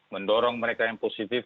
mendorong mereka yang positif